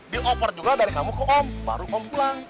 di over juga dari kamu ke om baru kaum pulang